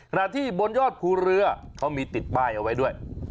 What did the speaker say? ขณะที่บนยอดภูเรือเขามีติดป้ายเอาไว้ด้วย